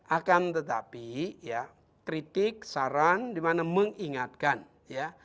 akan tetapi ya kritik saran dimana mengingatkan ya